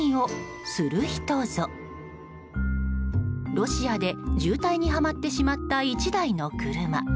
ロシアで渋滞にはまってしまった１台の車。